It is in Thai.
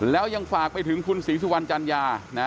แล้วยังฝากไปถึงคุณศรีสุวรรณจัญญา